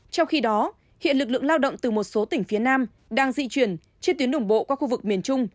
trong khi đó hiện lực lượng lao động từ một số tỉnh phía nam đang di chuyển trên tuyến đường bộ qua khu vực miền trung